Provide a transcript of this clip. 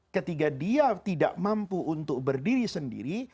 ketika dia tidak mampu untuk berdiri sendiri